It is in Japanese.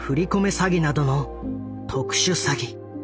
詐欺などの特殊詐欺。